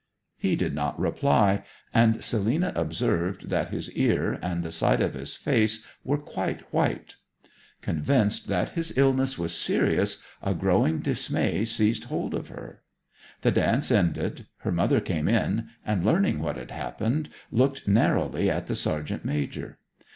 He did not reply, and Selina observed that his ear and the side of his face were quite white. Convinced that his illness was serious, a growing dismay seized hold of her. The dance ended; her mother came in, and learning what had happened, looked narrowly at the sergeant major.